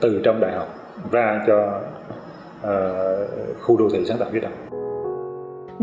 từ trong đại học ra cho khu đô thị sáng tạo phía đông